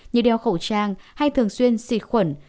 như đeo khẩu trang hay thường xuyên xịt khuẩn